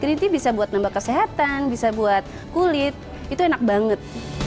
teliti bisa buat nambah kesehatan bisa buat kulit itu enak banget